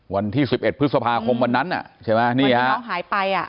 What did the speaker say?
วันที่๑๑พฤษภาคมวันนั้นเหมือนที่น้องหายไป